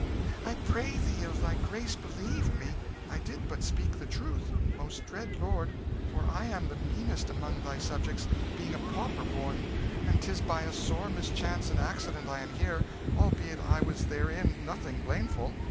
"I pray thee of thy grace believe me, I did but speak the truth, most dread lord; for I am the meanest among thy subjects, being a pauper born, and 'tis by a sore mischance and accident I am here, albeit I was therein nothing blameful.